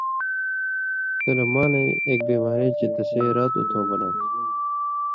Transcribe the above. کلہۡ مالَیں ایک بیماری چے تسے رات اُتھٶں بناں تھہ۔